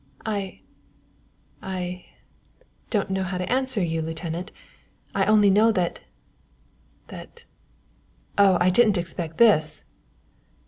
"I I don't know how to answer you, lieutenant, I only know that that Oh! I didn't expect this."